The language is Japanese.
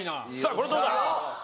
これどうだ？